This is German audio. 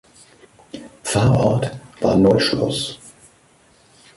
Pfarrort war Neuschloß.